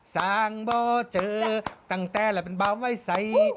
สร้างบ่อเจอตั้งแต่ละเป็นเบาไว้ใส